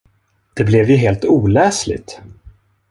Det blev ju helt oläsligt.